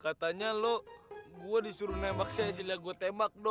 katanya lo gue disuruh nembak cecilnya gue tembak